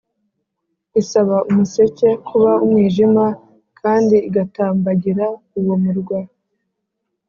Isaba umuseke kuba umwijima kandi igatambagira uwo murwa